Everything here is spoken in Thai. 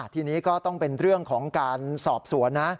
ทีนี้ก็ต้องเป็นเรื่องของการสอบสวนนะ